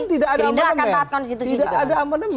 tidak ada amonemen